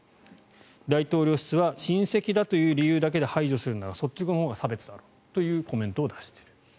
大統領室は親戚だという理由だけで配置するというのはそっちのほうが差別だろうというコメントを出している。